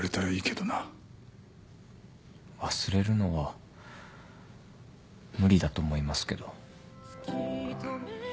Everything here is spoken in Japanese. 忘れるのは無理だと思いますけど。